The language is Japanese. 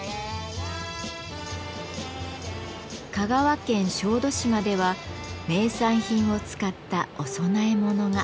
香川県小豆島では名産品を使ったお供え物が。